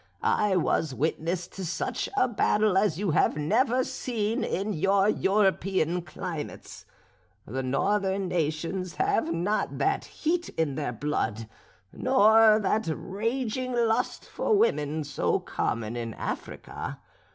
I was witness to such a battle as you have never seen in your European climates. The northern nations have not that heat in their blood, nor that raging lust for women, so common in Africa.